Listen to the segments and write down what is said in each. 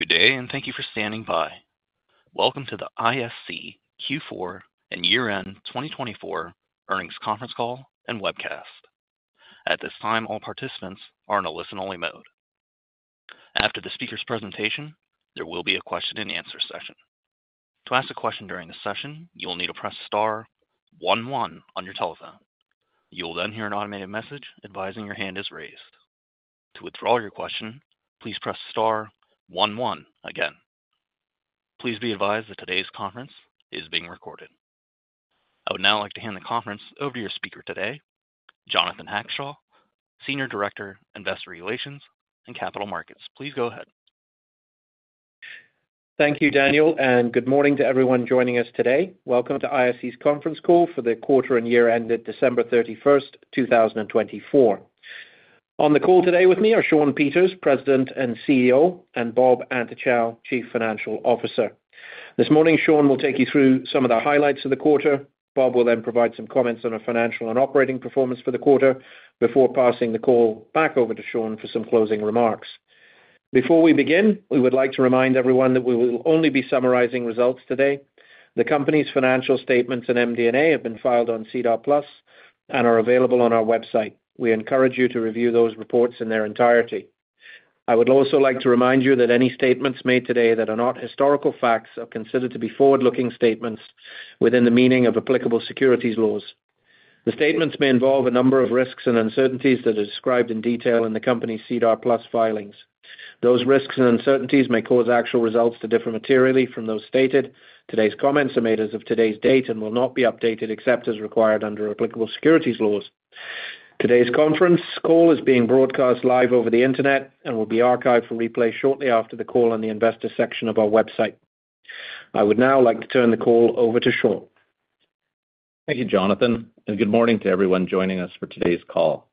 Good day, and thank you for standing by. Welcome to the ISC Q4 and year-end 2024 earnings conference call and webcast. At this time, all participants are in a listen-only mode. After the speaker's presentation, there will be a question-and-answer session. To ask a question during the session, you will need to press star one one on your telephone. You will then hear an automated message advising your hand is raised. To withdraw your question, please press star one one again. Please be advised that today's conference is being recorded. I would now like to hand the conference over to your speaker today, Jonathan Hackshaw, Senior Director, Investor Relations and Capital Markets. Please go ahead. Thank you, Daniel, and good morning to everyone joining us today. Welcome to ISC's conference call for the quarter and year ended December 31, 2024. On the call today with me are Shawn Peters, President and CEO, and Bob Antochow, Chief Financial Officer. This morning, Shawn will take you through some of the highlights of the quarter. Bob will then provide some comments on our financial and operating performance for the quarter before passing the call back over to Shawn for some closing remarks. Before we begin, we would like to remind everyone that we will only be summarizing results today. The company's financial statements and MD&A have been filed on SEDAR+ and are available on our website. We encourage you to review those reports in their entirety. I would also like to remind you that any statements made today that are not historical facts are considered to be forward-looking statements within the meaning of applicable securities laws. The statements may involve a number of risks and uncertainties that are described in detail in the company's SEDAR+ filings. Those risks and uncertainties may cause actual results to differ materially from those stated. Today's comments are made as of today's date and will not be updated except as required under applicable securities laws. Today's conference call is being broadcast live over the internet and will be archived for replay shortly after the call on the investor section of our website. I would now like to turn the call over to Shawn. Thank you, Jonathan, and good morning to everyone joining us for today's call.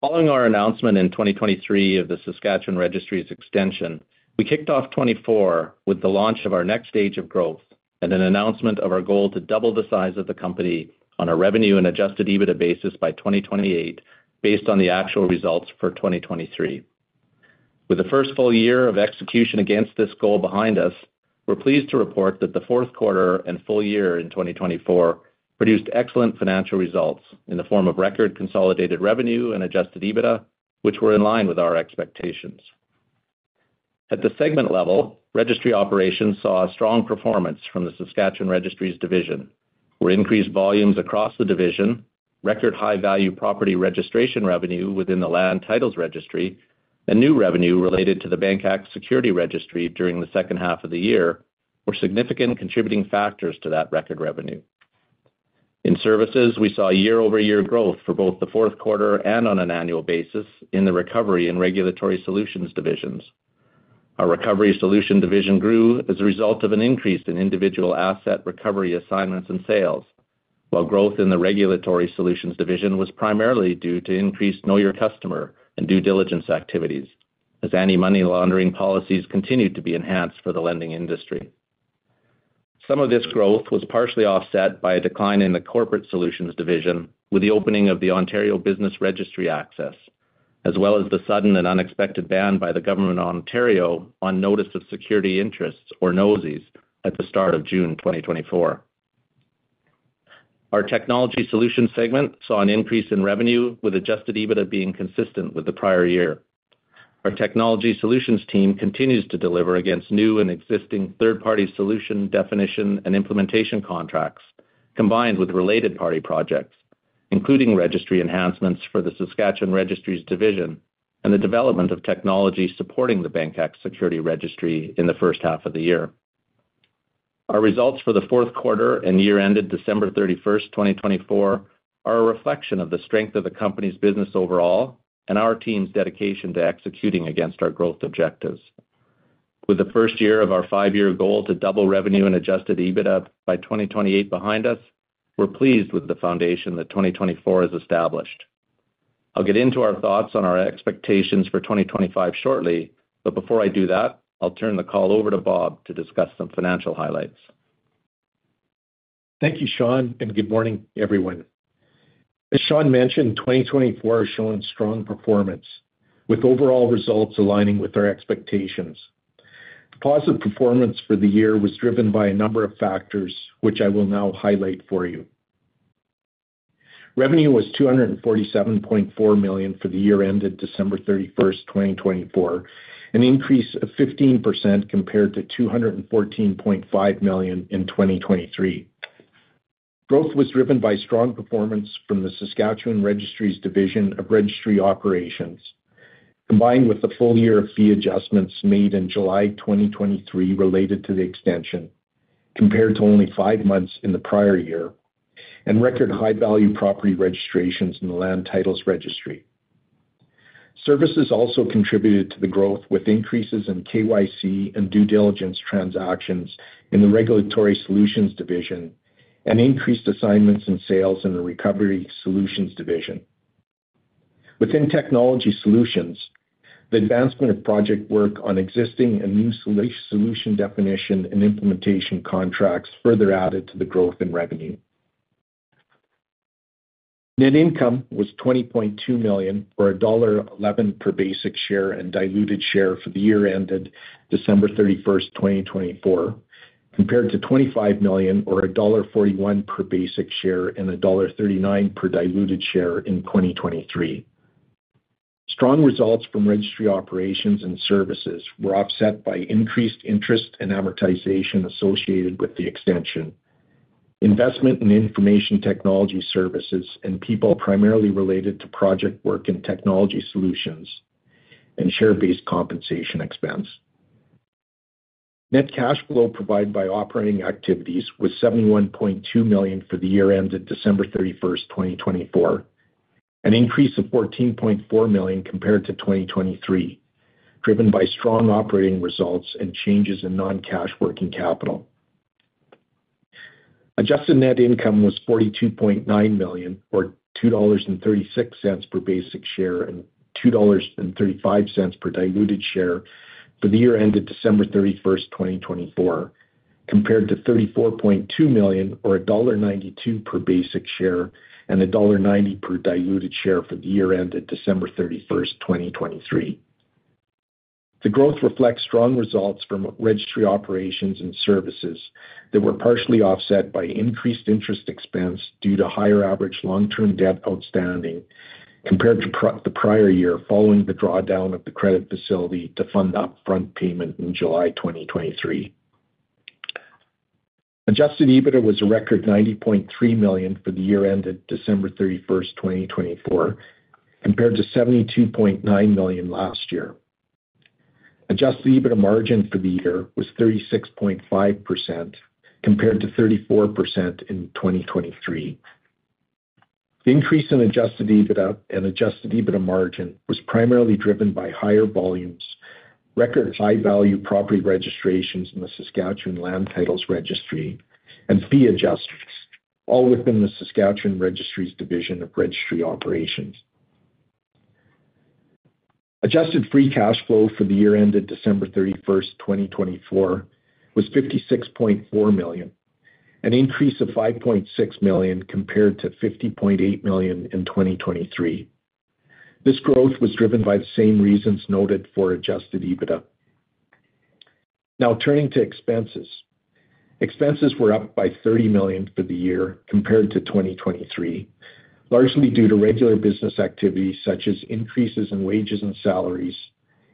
Following our announcement in 2023 of the Saskatchewan Registries extension, we kicked off 2024 with the launch of our next stage of growth and an announcement of our goal to double the size of the company on a revenue and adjusted EBITDA basis by 2028 based on the actual results for 2023. With the first full year of execution against this goal behind us, we're pleased to report that the fourth quarter and full year in 2024 produced excellent financial results in the form of record consolidated revenue and adjusted EBITDA, which were in line with our expectations. At the segment level, Registry Operations saw a strong performance from the Saskatchewan Registries division, where increased volumes across the division, record high-value property registration revenue within the Land Titles Registry, and new revenue related to the Bank Act Security Registry during the second half of the year were significant contributing factors to that record revenue. In Services, we saw year-over-year growth for both the fourth quarter and on an annual basis in the Recovery Solutions and Regulatory Solutions divisions. Our Recovery Solutions division grew as a result of an increase in individual asset recovery assignments and sales, while growth in the Regulatory Solutions division was primarily due to increased KYC and due diligence activities, as anti-money laundering policies continued to be enhanced for the lending industry. Some of this growth was partially offset by a decline in the Corporate Solutions division with the opening of the Ontario Business Registry access, as well as the sudden and unexpected ban by the government of Ontario on Notice of Security Interests or NOSIs at the start of June 2024. Our Technology Solutions segment saw an increase in revenue, with adjusted EBITDA being consistent with the prior year. Our Technology Solutions team continues to deliver against new and existing third-party solution definition and implementation contracts, combined with related party projects, including Registry enhancements for the Saskatchewan Registries division and the development of technology supporting the Bank Act Security Registry in the first half of the year. Our results for the fourth quarter and year ended December 31, 2024, are a reflection of the strength of the company's business overall and our team's dedication to executing against our growth objectives. With the first year of our five-year goal to double revenue and adjusted EBITDA by 2028 behind us, we're pleased with the foundation that 2024 has established. I'll get into our thoughts on our expectations for 2025 shortly, but before I do that, I'll turn the call over to Bob to discuss some financial highlights. Thank you, Shawn, and good morning, everyone. As Shawn mentioned, 2024 has shown strong performance, with overall results aligning with our expectations. The positive performance for the year was driven by a number of factors, which I will now highlight for you. Revenue was 247.4 million for the year ended December 31, 2024, an increase of 15% compared to 214.5 million in 2023. Growth was driven by strong performance from the Saskatchewan Registries division of Registry Operations, combined with the full year of fee adjustments made in July 2023 related to the extension, compared to only five months in the prior year, and record high-value property registrations in the Land Titles Registry. Services also contributed to the growth with increases in KYC and due diligence transactions in the Regulatory Solutions division and increased assignments and sales in the Recovery Solutions division. Within Technology Solutions, the advancement of project work on existing and new solution definition and implementation contracts further added to the growth in revenue. Net income was 20.2 million or dollar 1.11 per basic share and diluted share for the year ended December 31, 2024, compared to 25 million or dollar 1.41 per basic share and dollar 1.39 per diluted share in 2023. Strong results from Registry Operations and Services were offset by increased interest and amortization associated with the extension, investment in information technology services and people primarily related to project work and Technology Solutions, and share-based compensation expense. Net cash flow provided by operating activities was 71.2 million for the year ended December 31, 2024, an increase of 14.4 million compared to 2023, driven by strong operating results and changes in non-cash working capital. Adjusted net income was 42.9 million or 2.36 dollars per basic share and 2.35 dollars per diluted share for the year ended December 31, 2024, compared to 34.2 million or dollar 1.92 per basic share and dollar 1.90 per diluted share for the year ended December 31, 2023. The growth reflects strong results from Registry Operations and Services that were partially offset by increased interest expense due to higher average long-term debt outstanding compared to the prior year following the drawdown of the credit facility to fund upfront payment in July 2023. Adjusted EBITDA was a record 90.3 million for the year ended December 31, 2024, compared to 72.9 million last year. Adjusted EBITDA margin for the year was 36.5% compared to 34% in 2023. The increase in adjusted EBITDA and adjusted EBITDA margin was primarily driven by higher volumes, record high-value property registrations in the Saskatchewan Land Titles Registry, and fee adjustments, all within the Saskatchewan Registries division of Registry Operations. Adjusted free cash flow for the year ended December 31, 2024, was 56.4 million, an increase of 5.6 million compared to 50.8 million in 2023. This growth was driven by the same reasons noted for adjusted EBITDA. Now turning to expenses. Expenses were up by 30 million for the year compared to 2023, largely due to regular business activity such as increases in wages and salaries,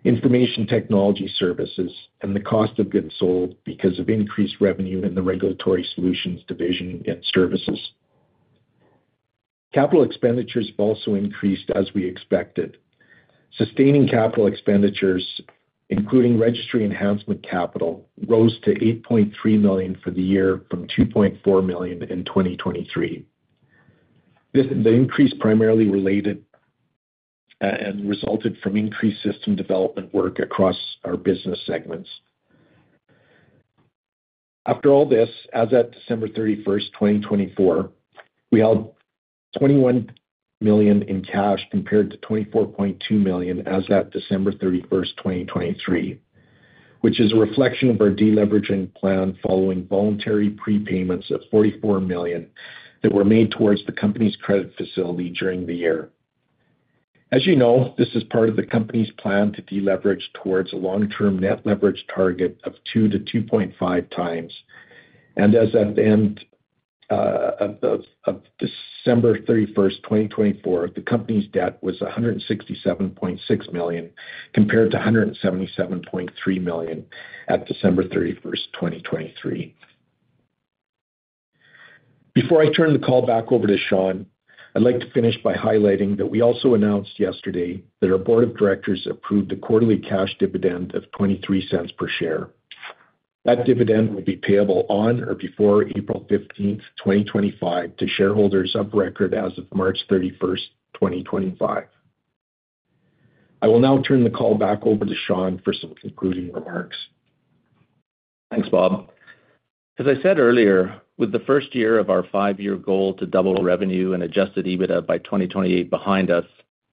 information technology services, and the cost of goods sold because of increased revenue in the Regulatory Solutions division and Services. Capital expenditures also increased as we expected. Sustaining capital expenditures, including registry enhancement capital, rose to 8.3 million for the year from 2.4 million in 2023. The increase primarily related and resulted from increased system development work across our business segments. After all this, as at December 31, 2024, we held 21 million in cash compared to 24.2 million as at December 31, 2023, which is a reflection of our deleveraging plan following voluntary prepayments of 44 million that were made towards the company's credit facility during the year. As you know, this is part of the company's plan to deleverage towards a long-term net leverage target of 2x-2.5x. As at the end of December 31, 2024, the company's debt was 167.6 million compared to 177.3 million at December 31, 2023. Before I turn the call back over to Shawn, I'd like to finish by highlighting that we also announced yesterday that our board of directors approved a quarterly cash dividend of 0.23 per share. That dividend will be payable on or before April 15th, 2025, to shareholders of record as of March 31st, 2025. I will now turn the call back over to Shawn for some concluding remarks. Thanks, Bob. As I said earlier, with the first year of our five-year goal to double revenue and adjusted EBITDA by 2028 behind us,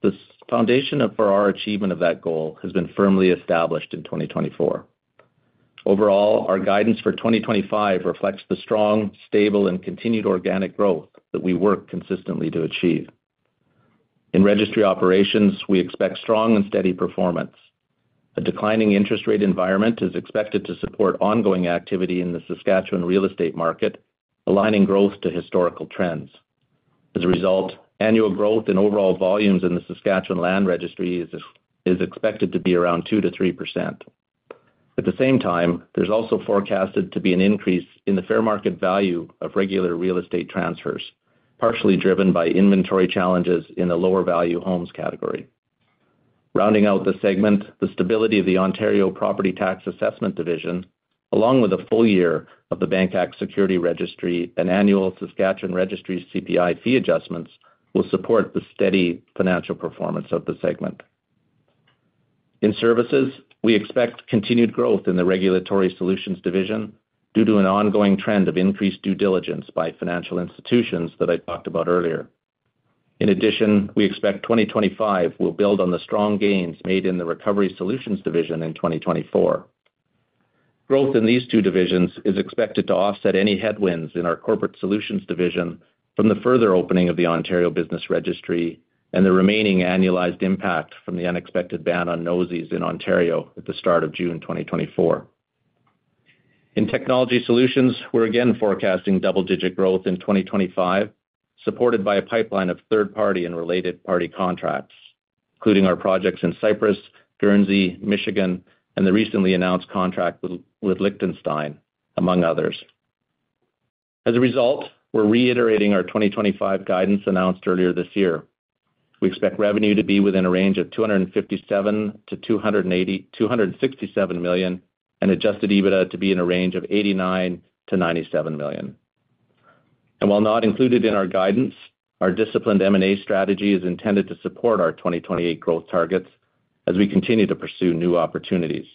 the foundation for our achievement of that goal has been firmly established in 2024. Overall, our guidance for 2025 reflects the strong, stable, and continued organic growth that we work consistently to achieve. In Registry Operations, we expect strong and steady performance. A declining interest rate environment is expected to support ongoing activity in the Saskatchewan real estate market, aligning growth to historical trends. As a result, annual growth in overall volumes in the Saskatchewan Land Registry is expected to be around 2%-3%. At the same time, there is also forecasted to be an increase in the fair market value of regular real estate transfers, partially driven by inventory challenges in the lower-value homes category. Rounding out the segment, the stability of the Ontario Property Tax Assessment Division, along with a full year of the Bank Act Security Registry and annual Saskatchewan Registries CPI fee adjustments, will support the steady financial performance of the segment. In Services, we expect continued growth in the Regulatory Solutions division due to an ongoing trend of increased due diligence by financial institutions that I talked about earlier. In addition, we expect 2025 will build on the strong gains made in the Recovery Solutions division in 2024. Growth in these two divisions is expected to offset any headwinds in our Corporate Solutions division from the further opening of the Ontario Business Registry and the remaining annualized impact from the unexpected ban on NOSIs in Ontario at the start of June 2024. In Technology Solutions, we're again forecasting double-digit growth in 2025, supported by a pipeline of third-party and related-party contracts, including our projects in Cyprus, Guernsey, Michigan, and the recently announced contract with Liechtenstein, among others. As a result, we're reiterating our 2025 guidance announced earlier this year. We expect revenue to be within a range of 257 million-267 million and adjusted EBITDA to be in a range of 89 million-97 million. While not included in our guidance, our disciplined M&A strategy is intended to support our 2028 growth targets as we continue to pursue new opportunities.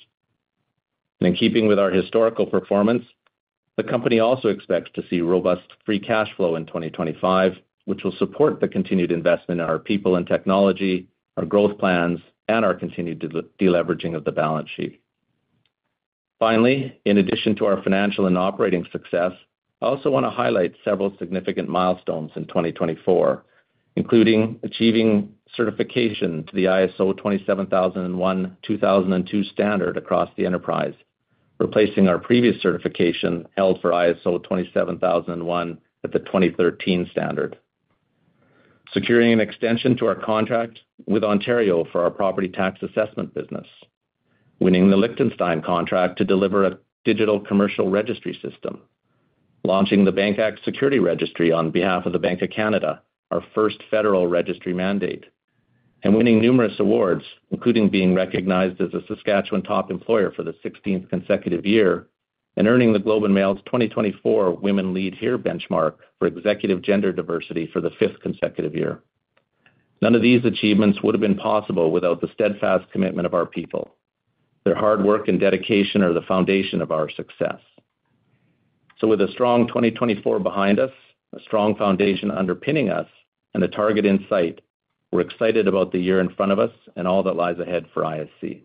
In keeping with our historical performance, the company also expects to see robust free cash flow in 2025, which will support the continued investment in our people and technology, our growth plans, and our continued deleveraging of the balance sheet. Finally, in addition to our financial and operating success, I also want to highlight several significant milestones in 2024, including achieving certification to the ISO 27001:2022 standard across the enterprise, replacing our previous certification held for ISO 27001 at the 2013 standard, securing an extension to our contract with Ontario for our property tax assessment business, winning the Liechtenstein contract to deliver a digital commercial registry system, launching the Bank Act Security Registry on behalf of the Bank of Canada, our first federal registry mandate, and winning numerous awards, including being recognized as a Saskatchewan top employer for the 16th consecutive year and earning the Globe and Mail's 2024 Women Lead Here benchmark for executive gender diversity for the fifth consecutive year. None of these achievements would have been possible without the steadfast commitment of our people. Their hard work and dedication are the foundation of our success. With a strong 2024 behind us, a strong foundation underpinning us, and a target in sight, we're excited about the year in front of us and all that lies ahead for ISC.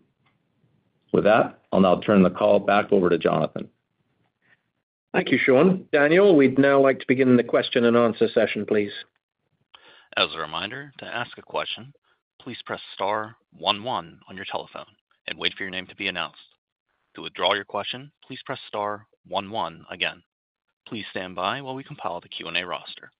With that, I'll now turn the call back over to Jonathan. Thank you, Shawn. Daniel, we'd now like to begin the question-and-answer session, please. As a reminder, to ask a question, please press star one one on your telephone and wait for your name to be announced. To withdraw your question, please press star one one again. Please stand by while we compile the Q&A roster.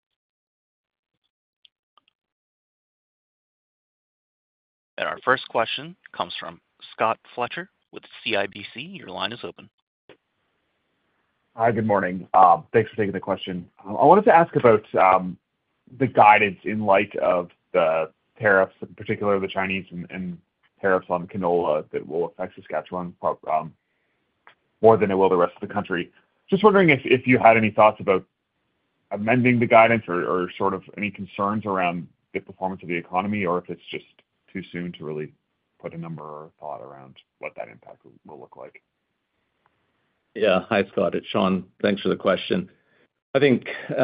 Our first question comes from Scott Fletcher with CIBC. Your line is open. Hi, good morning. Thanks for taking the question. I wanted to ask about the guidance in light of the tariffs, in particular the Chinese and tariffs on canola that will affect Saskatchewan more than it will the rest of the country. Just wondering if you had any thoughts about amending the guidance or sort of any concerns around the performance of the economy or if it's just too soon to really put a number or a thought around what that impact will look like. Yeah, hi Scott. It's Shawn. Thanks for the question. I think, you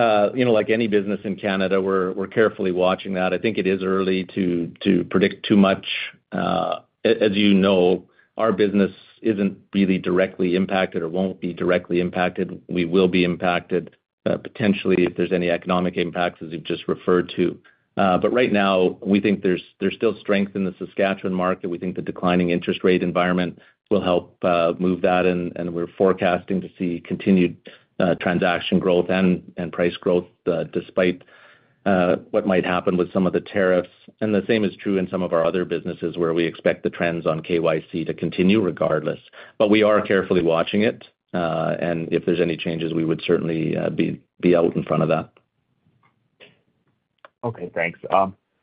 know, like any business in Canada, we're carefully watching that. I think it is early to predict too much. As you know, our business isn't really directly impacted or won't be directly impacted. We will be impacted potentially if there's any economic impacts, as you've just referred to. Right now, we think there's still strength in the Saskatchewan market. We think the declining interest rate environment will help move that, and we're forecasting to see continued transaction growth and price growth despite what might happen with some of the tariffs. The same is true in some of our other businesses where we expect the trends on KYC to continue regardless. We are carefully watching it, and if there's any changes, we would certainly be out in front of that. Okay, thanks. I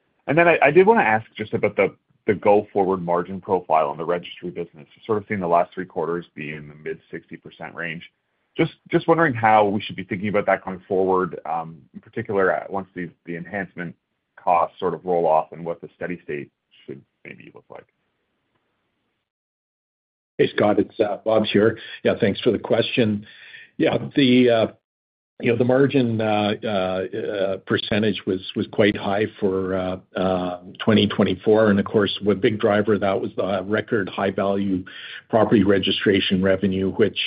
did want to ask just about the go-forward margin profile on the registry business. Sort of seeing the last three quarters be in the mid-60% range. Just wondering how we should be thinking about that going forward, in particular once the enhancement costs sort of roll off and what the steady state should maybe look like. Hey, Scott. It's Bob here. Yeah, thanks for the question. Yeah, the margin percentage was quite high for 2024. Of course, a big driver of that was the record high-value property registration revenue, which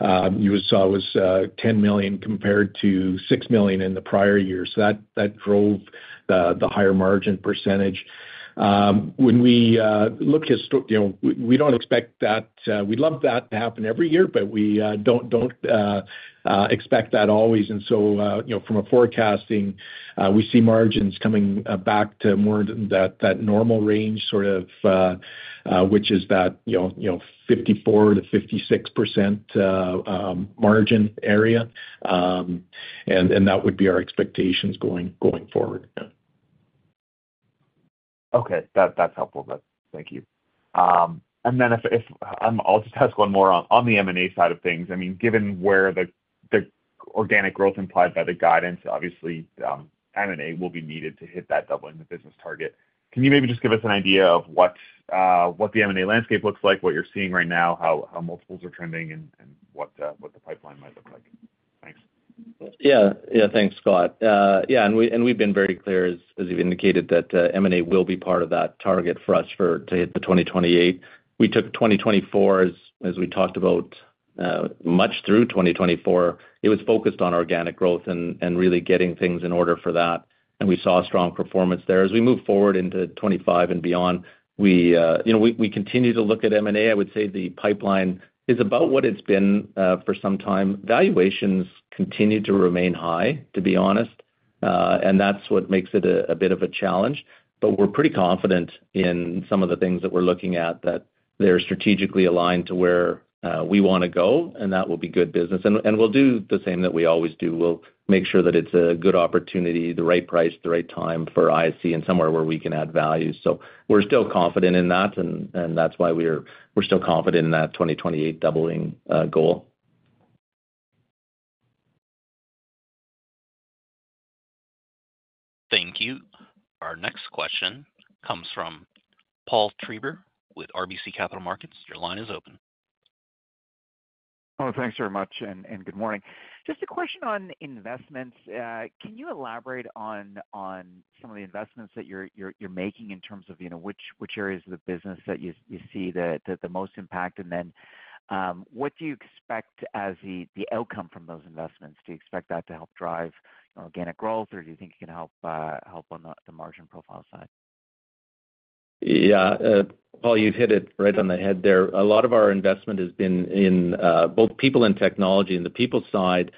you saw was 10 million compared to 6 million in the prior year. That drove the higher margin percentage. When we look historically, we do not expect that. We'd love that to happen every year, but we do not expect that always. From a forecasting, we see margins coming back to more of that normal range, sort of, which is that 54%-56% margin area. That would be our expectations going forward. Okay, that's helpful. Thank you. I mean, given where the organic growth implied by the guidance, obviously, M&A will be needed to hit that doubling the business target. Can you maybe just give us an idea of what the M&A landscape looks like, what you're seeing right now, how multiples are trending, and what the pipeline might look like? Thanks. Yeah, yeah, thanks, Scott. Yeah, and we've been very clear, as you've indicated, that M&A will be part of that target for us to hit the 2028. We took 2024, as we talked about, much through 2024. It was focused on organic growth and really getting things in order for that. We saw strong performance there. As we move forward into 2025 and beyond, we continue to look at M&A. I would say the pipeline is about what it's been for some time. Valuations continue to remain high, to be honest. That is what makes it a bit of a challenge. We're pretty confident in some of the things that we're looking at that they're strategically aligned to where we want to go, and that will be good business. We'll do the same that we always do. We'll make sure that it's a good opportunity, the right price, the right time for ISC and somewhere where we can add value. We are still confident in that, and that's why we are still confident in that 2028 doubling goal. Thank you. Our next question comes from Paul Treiber with RBC Capital Markets. Your line is open. Thanks very much and good morning. Just a question on investments. Can you elaborate on some of the investments that you're making in terms of which areas of the business that you see the most impact? Do you expect as the outcome from those investments that to help drive organic growth, or do you think it can help on the margin profile side? Yeah, Paul, you've hit it right on the head there. A lot of our investment has been in both people and technology. On the people side,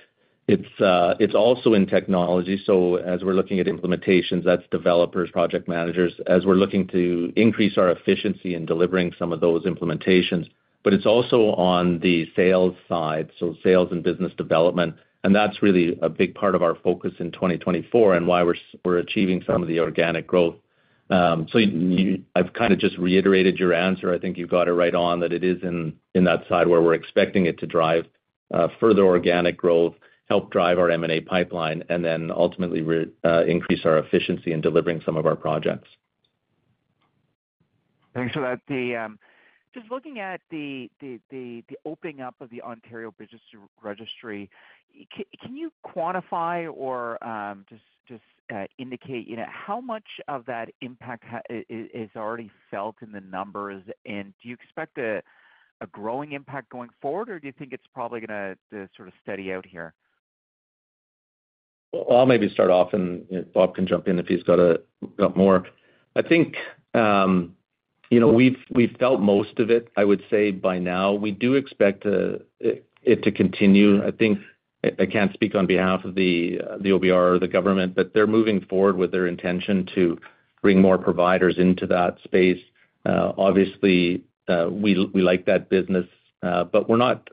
it's also in technology. As we're looking at implementations, that's developers, project managers, as we're looking to increase our efficiency in delivering some of those implementations. It is also on the sales side, so sales and business development. That is really a big part of our focus in 2024 and why we're achieving some of the organic growth. I have kind of just reiterated your answer. I think you've got it right on that it is in that side where we're expecting it to drive further organic growth, help drive our M&A pipeline, and then ultimately increase our efficiency in delivering some of our projects. Thanks for that. Just looking at the opening up of the Ontario Business Registry, can you quantify or just indicate how much of that impact has already felt in the numbers? Do you expect a growing impact going forward, or do you think it's probably going to sort of steady out here? I will maybe start off, and Bob can jump in if he's got more. I think we've felt most of it, I would say, by now. We do expect it to continue. I think I can't speak on behalf of the OBR or the government, but they're moving forward with their intention to bring more providers into that space. Obviously, we like that business, but we're not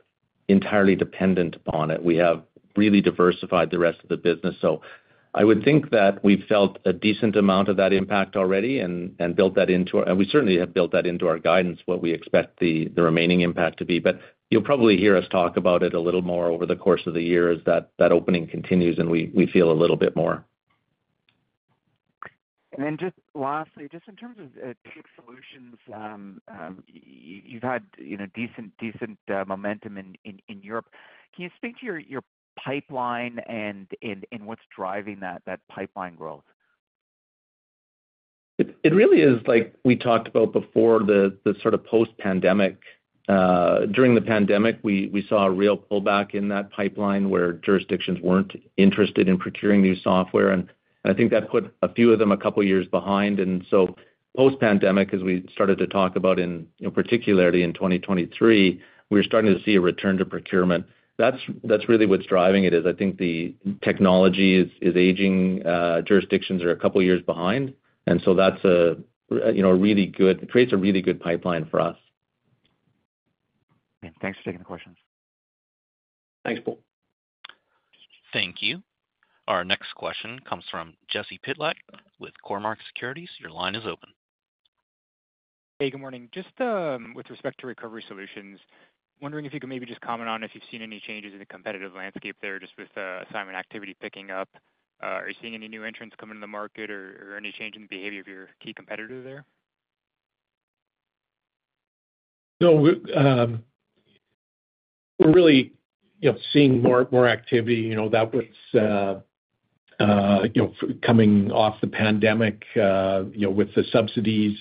entirely dependent upon it. We have really diversified the rest of the business. I would think that we've felt a decent amount of that impact already and built that into our—and we certainly have built that into our guidance, what we expect the remaining impact to be. You'll probably hear us talk about it a little more over the course of the year as that opening continues, and we feel a little bit more. Just lastly, just in terms of solutions, you've had decent momentum in Europe. Can you speak to your pipeline and what's driving that pipeline growth? It really is like we talked about before, the sort of post-pandemic. During the pandemic, we saw a real pullback in that pipeline where jurisdictions were not interested in procuring new software. I think that put a few of them a couple of years behind. Post-pandemic, as we started to talk about, particularly in 2023, we were starting to see a return to procurement. That is really what is driving it. I think the technology is aging. Jurisdictions are a couple of years behind. That creates a really good pipeline for us. Thanks for taking the questions. Thanks, Paul. Thank you. Our next question comes from Jesse Pytlak with Cormark Securities. Your line is open. Hey, good morning. Just with respect to Recovery Solutions, wondering if you could maybe just comment on if you've seen any changes in the competitive landscape there just with assignment activity picking up. Are you seeing any new entrants coming to the market or any change in the behavior of your key competitor there? We're really seeing more activity that was coming off the pandemic with the subsidies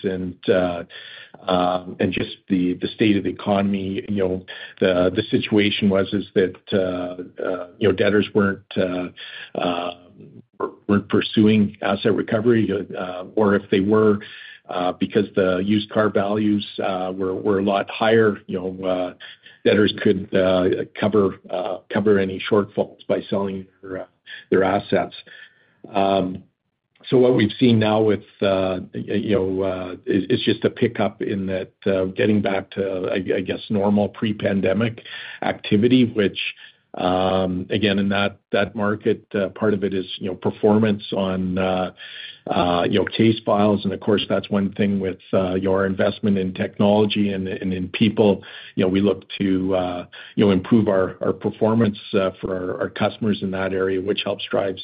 and just the state of the economy. The situation was that debtors weren't pursuing asset recovery, or if they were, because the used car values were a lot higher, debtors could cover any shortfalls by selling their assets. What we've seen now is just a pickup in that, getting back to, I guess, normal pre-pandemic activity, which, again, in that market, part of it is performance on case files. Of course, that's one thing with your investment in technology and in people. We look to improve our performance for our customers in that area, which helps drive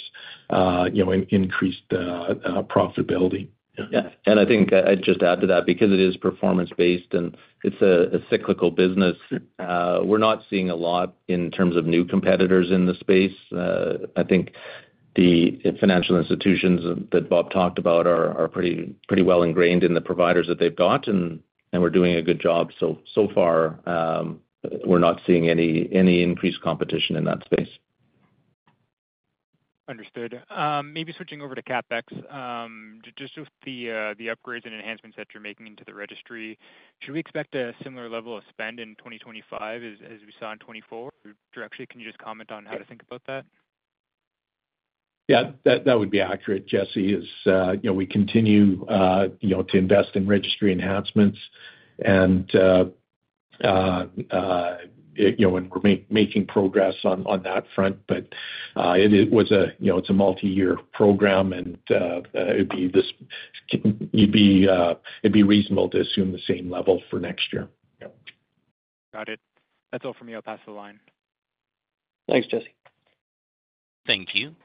increased profitability. Yeah. I think I'd just add to that because it is performance-based and it's a cyclical business. We're not seeing a lot in terms of new competitors in the space. I think the financial institutions that Bob talked about are pretty well ingrained in the providers that they've got, and we're doing a good job so far. We're not seeing any increased competition in that space. Understood. Maybe switching over to CapEx, just with the upgrades and enhancements that you're making into the registry, should we expect a similar level of spend in 2025 as we saw in 2024? Or actually, can you just comment on how to think about that? Yeah, that would be accurate, Jesse, as we continue to invest in registry enhancements and we're making progress on that front. It is a multi-year program, and it'd be reasonable to assume the same level for next year. Got it. That's all from me. I'll pass the line. Thanks, Jesse. Thank you.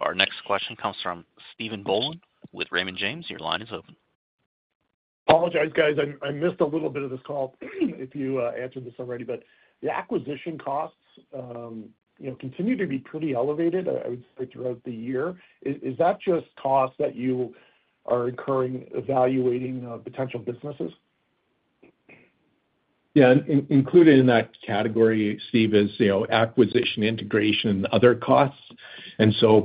Our next question comes from Stephen Boland with Raymond James. Your line is open. Apologize, guys. I missed a little bit of this call if you answered this already, but the acquisition costs continue to be pretty elevated, I would say, throughout the year. Is that just costs that you are incurring evaluating potential businesses? Yeah, included in that category, Steve, is acquisition integration and other costs.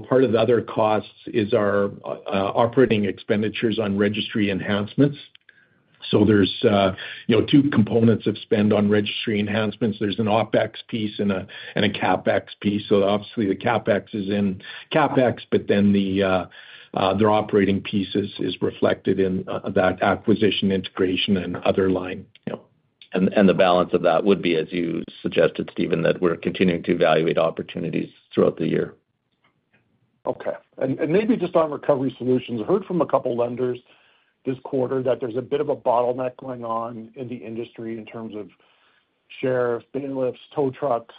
Part of the other costs is our operating expenditures on registry enhancements. There are two components of spend on registry enhancements. There is an OpEx piece and a CapEx piece. Obviously, the CapEx is in CapEx, but then their operating piece is reflected in that acquisition integration and other line. The balance of that would be, as you suggested, Steven, that we're continuing to evaluate opportunities throughout the year. Okay. Maybe just on Recovery Solutions, I heard from a couple of lenders this quarter that there's a bit of a bottleneck going on in the industry in terms of share of bailiffs, tow trucks,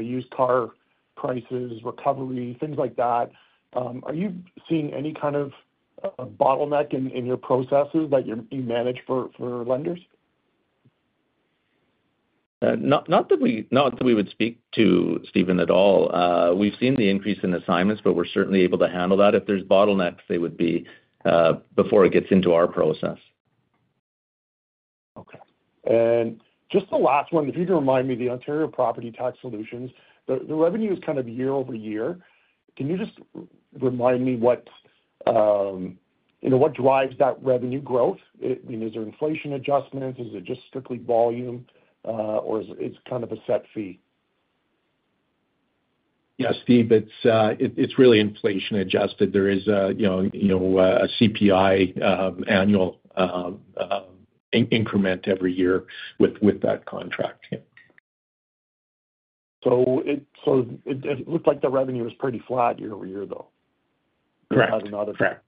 used car prices, recovery, things like that. Are you seeing any kind of bottleneck in your processes that you manage for lenders? Not that we would speak to, Steven, at all. We've seen the increase in assignments, but we're certainly able to handle that. If there's bottlenecks, they would be before it gets into our process. Okay. Just the last one, if you can remind me, the Ontario Property Tax Solutions, the revenue is kind of year-over-year. Can you just remind me what drives that revenue growth? I mean, is there inflation-adjusted? Is it just strictly volume, or is it kind of a set fee? Yeah, Steve, it's really inflation-adjusted. There is a CPI annual increment every year with that contract. It looks like the revenue is pretty flat year-over-year, though. Correct. Not another flat.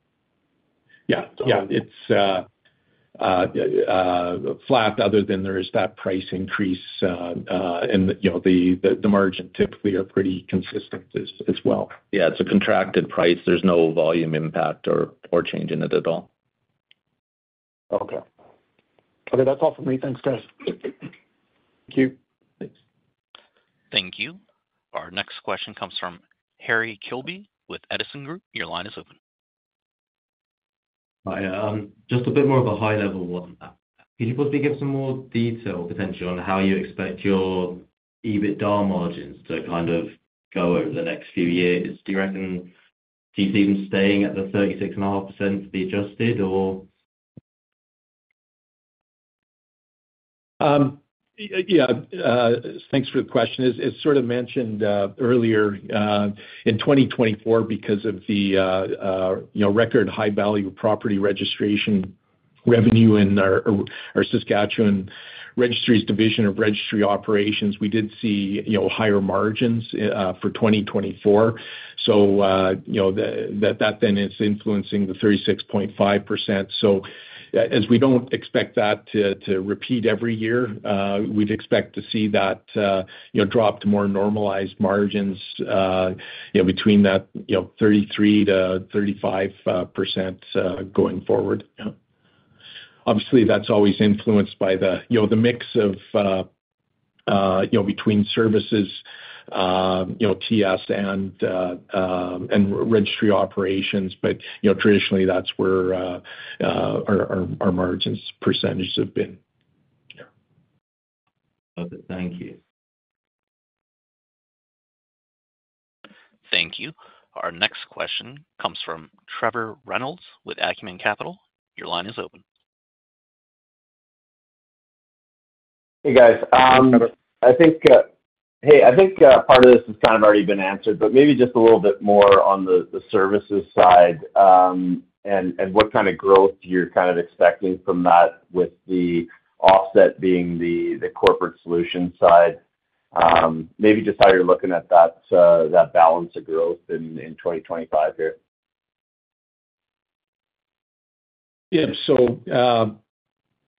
Yeah. It's flat other than there is that price increase, and the margin typically are pretty consistent as well. Yeah, it's a contracted price. There's no volume impact or change in it at all. Okay. Okay, that's all for me. Thanks, guys. Thank you. Thanks. Thank you. Our next question comes from Harry Kilby with Edison Group. Your line is open. Hi. Just a bit more of a high-level one. Can you possibly give some more detail potentially on how you expect your EBITDA margins to kind of go over the next few years? Do you reckon do you see them staying at the 36.5% to be adjusted, or? Yeah. Thanks for the question. As sort of mentioned earlier, in 2024, because of the record high-value property registration revenue in our Saskatchewan Registries division of Registry Operations, we did see higher margins for 2024. That then is influencing the 36.5%. As we do not expect that to repeat every year, we would expect to see that drop to more normalized margins between that 33%-35% going forward. Obviously, that is always influenced by the mix of between Services, TS, and Registry Operations, but traditionally, that is where our margins percentage have been. Okay. Thank you. Thank you. Our next question comes from Trevor Reynolds with Acumen Capital. Your line is open. Hey, guys. I think part of this has kind of already been answered, but maybe just a little bit more on the Services side and what kind of growth you're kind of expecting from that with the offset being the Corporate Solutions side. Maybe just how you're looking at that balance of growth in 2025 here. Yeah.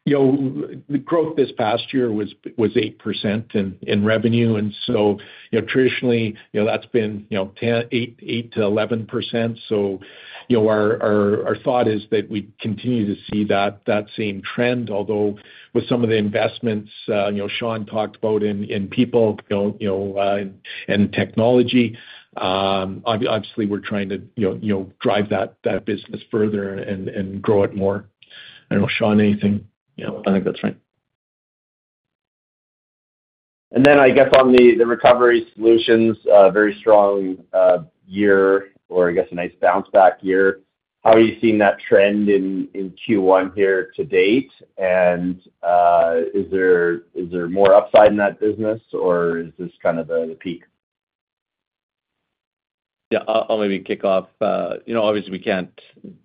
The growth this past year was 8% in revenue. Traditionally, that has been 8%-11%. Our thought is that we continue to see that same trend, although with some of the investments Shawn talked about in people and technology, obviously, we are trying to drive that business further and grow it more. I do not know, Shawn, anything? Yeah, I think that's right. I guess on the Recovery Solutions, very strong year or I guess a nice bounce-back year. How are you seeing that trend in Q1 here to date? Is there more upside in that business, or is this kind of the peak? Yeah, I'll maybe kick off. Obviously, we can't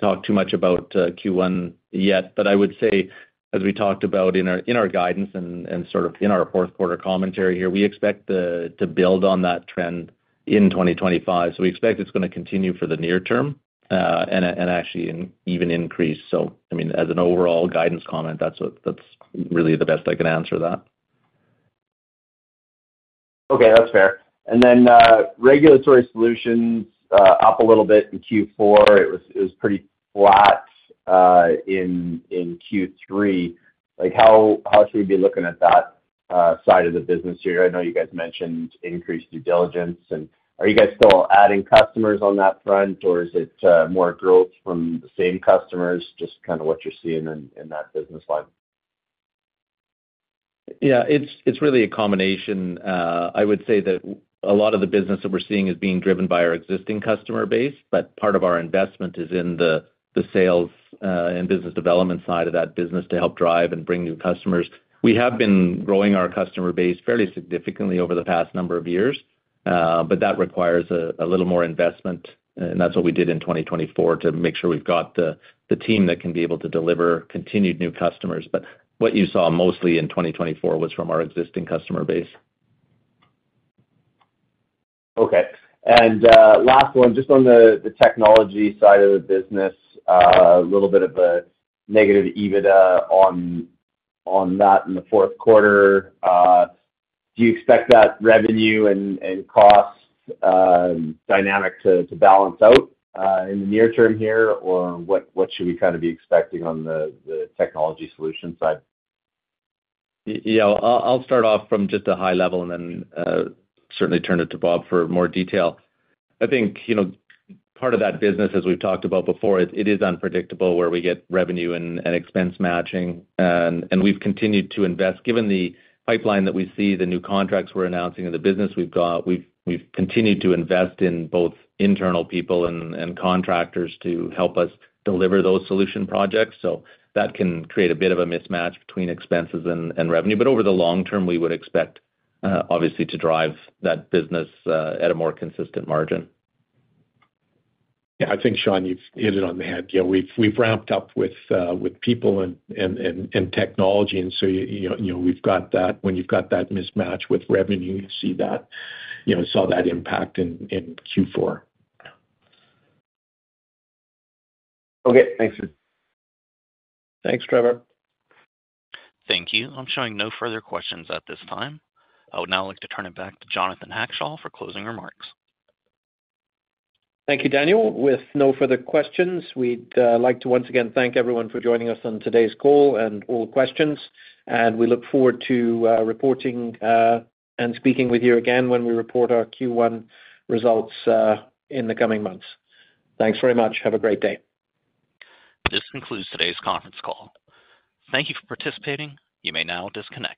talk too much about Q1 yet, but I would say, as we talked about in our guidance and sort of in our fourth quarter commentary here, we expect to build on that trend in 2025. We expect it's going to continue for the near term and actually even increase. I mean, as an overall guidance comment, that's really the best I can answer that. Okay, that's fair. Regulatory Solutions was up a little bit in Q4. It was pretty flat in Q3. How should we be looking at that side of the business here? I know you guys mentioned increased due diligence. Are you guys still adding customers on that front, or is it more growth from the same customers, just kind of what you're seeing in that business line? Yeah, it's really a combination. I would say that a lot of the business that we're seeing is being driven by our existing customer base, but part of our investment is in the sales and business development side of that business to help drive and bring new customers. We have been growing our customer base fairly significantly over the past number of years, that requires a little more investment. That is what we did in 2024 to make sure we've got the team that can be able to deliver continued new customers. What you saw mostly in 2024 was from our existing customer base. Okay. Last one, just on the technology side of the business, a little bit of a negative EBITDA on that in the fourth quarter. Do you expect that revenue and cost dynamic to balance out in the near term here, or what should we kind of be expecting on the Technology Solutions side? Yeah, I'll start off from just a high level and then certainly turn it to Bob for more detail. I think part of that business, as we've talked about before, it is unpredictable where we get revenue and expense matching. We've continued to invest. Given the pipeline that we see, the new contracts we're announcing in the business, we've continued to invest in both internal people and contractors to help us deliver those solution projects. That can create a bit of a mismatch between expenses and revenue. Over the long term, we would expect, obviously, to drive that business at a more consistent margin. Yeah, I think, Shawn, you've hit it on the head. Yeah, we've ramped up with people and technology. When you've got that mismatch with revenue, you see that, saw that impact in Q4. Okay. Thanks, Steve. Thanks, Trevor. Thank you. I'm showing no further questions at this time. I would now like to turn it back to Jonathan Hackshaw for closing remarks. Thank you, Daniel. With no further questions, we'd like to once again thank everyone for joining us on today's call and all questions. We look forward to reporting and speaking with you again when we report our Q1 results in the coming months. Thanks very much. Have a great day. This concludes today's conference call. Thank you for participating. You may now disconnect.